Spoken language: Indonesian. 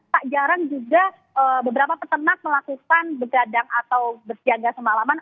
tak jarang juga beberapa peternak melakukan begadang atau berjaga semalaman